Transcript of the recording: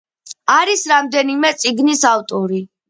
არის რამდენიმე წიგნის ავტორი.